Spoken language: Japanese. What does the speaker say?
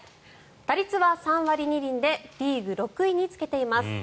打率は３割２厘でリーグ６位につけています。